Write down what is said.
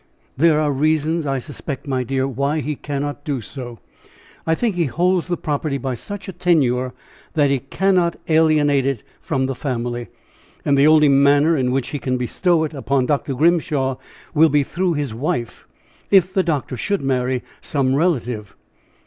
"There are reasons, I suspect, my dear, why he cannot do so. I think he holds the property by such a tenure, that he cannot alienate it from the family. And the only manner in which he can bestow it upon Dr. Grimshaw, will be through his wife, if the doctor should marry some relative."